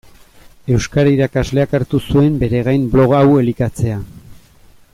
Euskara irakasleak hartu zuen bere gain blog hau elikatzea.